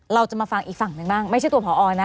เราจะมาฟังอีกฝั่งหนึ่งบ้างไม่ใช่ตัวพอนะ